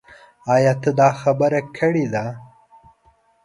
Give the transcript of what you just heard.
ايا تا دا خبره کړې ده ؟